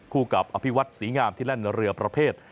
กับอภิวัตศรีงามที่แล่นเรือประเภท